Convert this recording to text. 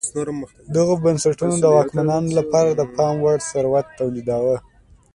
دغو بنسټونو د واکمنانو لپاره د پام وړ ثروت تولیداوه